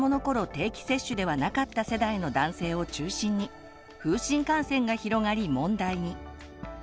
定期接種ではなかった世代の男性を中心に風疹感染が広がり問題に。